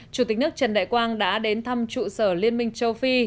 chủ tịch nước trần đại quang đã đến thăm trụ sở liên minh châu phi